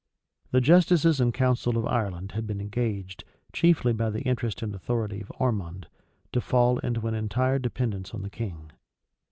The justices and council of Ireland had been engaged, chiefly by the interest and authority of Ormond, to fall into an entire dependence on the king.